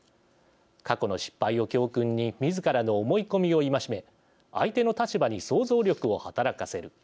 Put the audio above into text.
過去の失敗を教訓にみずからの思い込みを戒め相手の立場に想像力を働かせる。